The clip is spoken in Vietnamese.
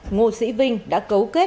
ngô sĩ vinh đã cấu kết với một đối tượng